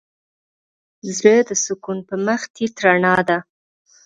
زړه د سکون په مخ تيت رڼا ده.